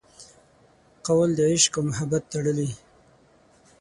قول د عشق او محبت تړلي